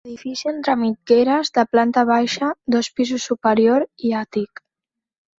Edifici entre mitgeres, de planta baixa, dos pisos superior i àtic.